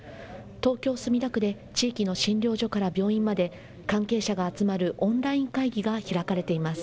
東京墨田区で地域の診療所から病院まで関係者が集まるオンライン会議が開かれています。